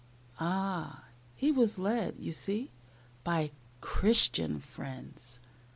Ah! he was led, you see, by "Christian friends."